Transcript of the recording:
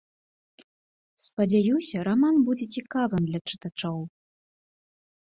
Спадзяюся, раман будзе цікавым для чытачоў.